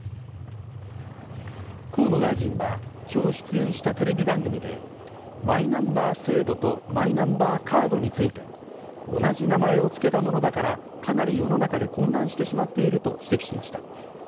河野大臣は今日出演したテレビ番組でマイナンバー制度とマイナンバーカードについて同じ名前を付けたものだからかなり世の中で混乱してしまっていると指摘しました。